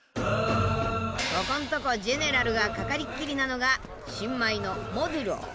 ここんとこジェネラルがかかりっきりなのが新米のモドゥロー。